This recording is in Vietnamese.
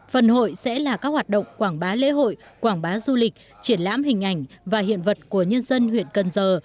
phần hội sẽ là các hoạt động quảng bá lễ hội quảng bá du lịch triển lãm hình ảnh và hiện vật của nhân dân huyện cần giờ